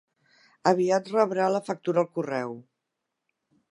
Aviat rebrà la factura al correu.